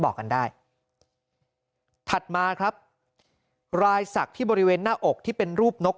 บอกกันได้ถัดมาครับรายศักดิ์ที่บริเวณหน้าอกที่เป็นรูปนก